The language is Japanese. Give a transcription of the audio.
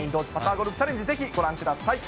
ゴルフチャレンジ、ぜひご覧ください。